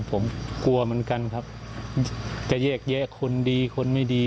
ผมกลัวเหมือนกันครับจะแยกแยะคนดีคนไม่ดี